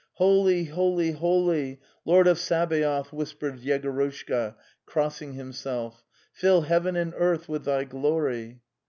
'"" Holy, holy, holy, Lord of Sabaoth,"' whispered Yegorushka, crossing himself. ' Fill heaven and earth with Thy glory."